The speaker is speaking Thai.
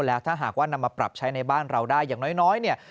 แล้วถ้าหากว่านำมาปรับใช้ในบ้านเราได้อย่างน้อยเนี่ย